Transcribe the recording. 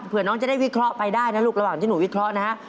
เพื่อน้องจะได้วิเคราะห์ไปได้นะลูกระหว่างที่หนูวิเคราะห์นะฮะ